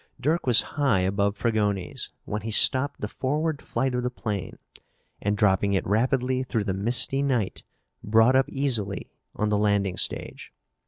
Dirk was high above Fragoni's when he stopped the forward flight of the plane and, dropping it rapidly through the misty night, brought up easily on the landing stage.